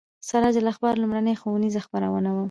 سراج الاخبار لومړنۍ ښوونیزه خپرونه وه.